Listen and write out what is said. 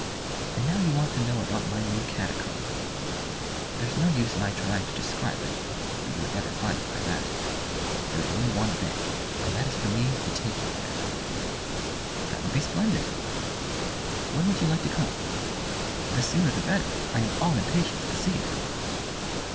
And now you want to know about my new catacomb. There's no use my trying to describe it, for you would never find it by that. There is only one thing, and that is for me to take you there." "That would be splendid." "When would you like to come?" "The sooner the better. I am all impatience to see it."